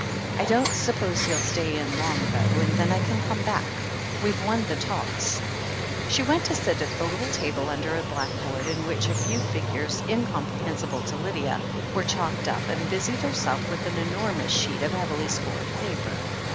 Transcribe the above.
I don't suppose he'll stay in long, though, and then I can come back. We've won the toss." THE HEEL OF ACHILLES 2^^ She went to sit at a little table under a black board on which a few figures, incomprehensible to Lydia, were chalked up, and busied herself with an enormous sheet of heavily scored paper.